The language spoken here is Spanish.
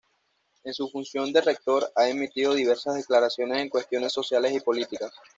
En su función de rector, ha emitido diversas declaraciones en cuestiones sociales y políticas.